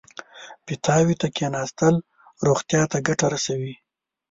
پیتاوي ته کېناستل روغتیا ته ګټه رسوي.